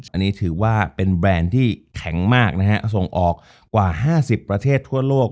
อันนี้ถือว่าเป็นแบรนด์ที่แข็งมากนะฮะส่งออกกว่า๕๐ประเทศทั่วโลก